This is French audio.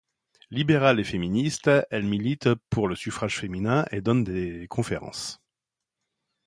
Libérale et féministe, elle milite pour le suffrage féminin et donne des conférences.